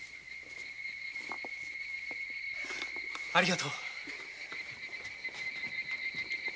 ありがとう。